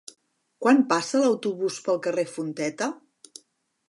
Quan passa l'autobús pel carrer Fonteta?